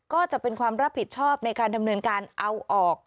ก็จะเป็นความรับผิดชอบในการดำเนินการเอาออก